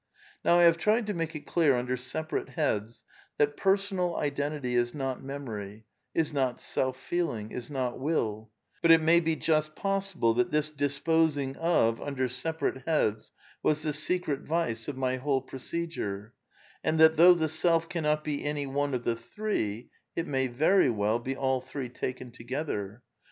Now I have tried to make it dear under separate heads that personal iden tity is ngt^ memory^ is not self feeliaftj^s ivgt mil; but it maybe^ust possible thafthis disposing of under separate heads was the secret vice of my whole pro cedure, and that, though the self cannot be any one of the three, it may very well be all three taken together.